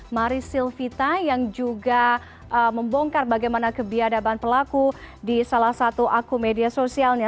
maris silvita yang juga membongkar bagaimana kebiadaban pelaku di salah satu akun media sosialnya